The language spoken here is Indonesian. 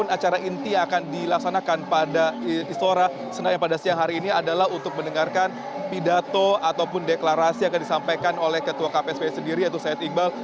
acara inti yang akan dilaksanakan pada istora senayan pada siang hari ini adalah untuk mendengarkan pidato ataupun deklarasi yang akan disampaikan oleh ketua kpspi sendiri yaitu said iqbal